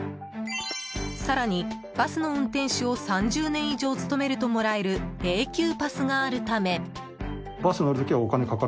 更に、バスの運転手を３０年以上勤めるともらえる永久パスがあるため。